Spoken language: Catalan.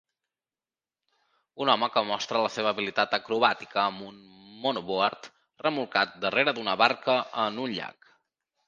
Un home que mostra la seva habilitat acrobàtica amb un monoboard remolcat darrere d'una barca en un llac.